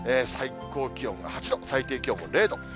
最高気温が８度、最低気温も０度。